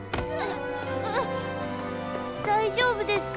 大丈夫ですか？